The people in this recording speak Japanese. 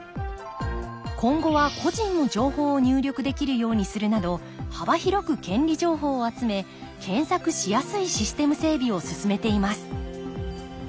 今後は個人の情報を入力できるようにするなど幅広く権利情報を集め検索しやすいシステム整備を進めています